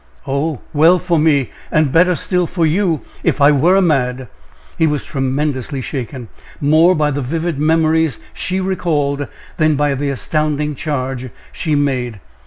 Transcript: "Oh! well for me, and better still for you, if I were mad!" He was tremendously shaken, more by the vivid memories she recalled than by the astounding charge she made.